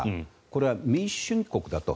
これは民主主義国だと。